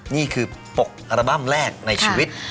นี่คือปกอัลบั้มแรกในชีวิต